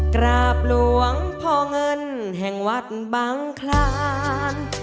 กราบหลวงพ่อเงินแห่งวัดบังคลาน